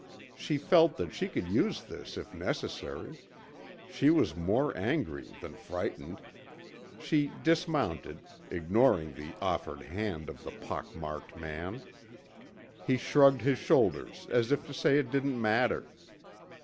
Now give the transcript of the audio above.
She felt that she could use this if necessary. She was more angry than frightened. She dismounted, ignoring the offered hand of the pock marked man. He shrugged his shoulders as if to say it didn't matter.